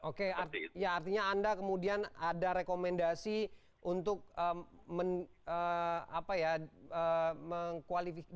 oke artinya anda kemudian ada rekomendasi untuk mengkualifikasi